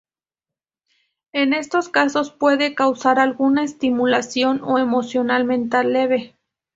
En estos casos puede causar alguna estimulación o emoción mental leve.